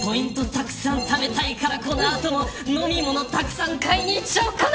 たくさんためたいからこの後、飲み物たくさん買いに行っちゃうかな。